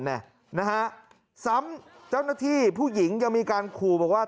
นะฮะซ้ำเจ้าหน้าที่ผู้หญิงยังมีการขู่บอกว่า